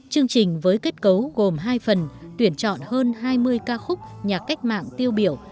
chương trình với kết cấu gồm hai phần tuyển chọn hơn hai mươi ca khúc nhà cách mạng tiêu biểu